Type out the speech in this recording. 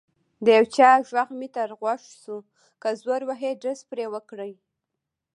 د یو چا غږ مې تر غوږ شو: که زور وهي ډز پرې وکړئ.